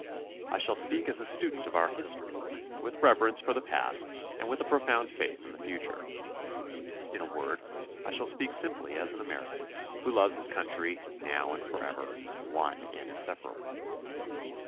I shall speak as a student of our history with reverence for the past and with a profound faith in the future. In a word, I shall speak simply as an American who loves his country "now and forever, one and insepa rable."